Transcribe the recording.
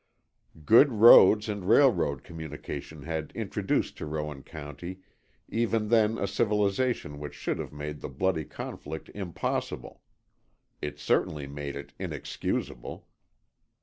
Good roads and railroad communication had introduced to Rowan County even then a civilization which should have made the bloody conflict impossible; it certainly made it inexcusable.